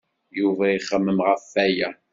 Yuba ixemmem ɣef waya.